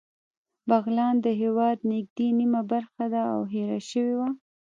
بغلان د هېواد نږدې نیمه برخه ده او هېره شوې وه